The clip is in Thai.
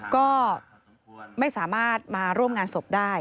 ก็ไม่สามารถมาร่วมงานศพได้